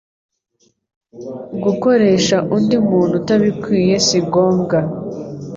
gukoresha undi umuntu utabikwiye singombwa